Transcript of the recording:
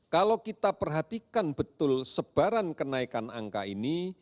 kalau kita perhatikan betul sebaran kenaikan angka ini